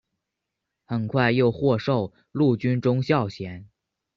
很快又获授陆军中校衔。